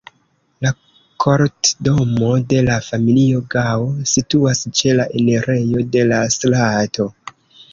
La kortdomo de la familio Gao situas ĉe la enirejo de la strato.